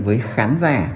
với khán giả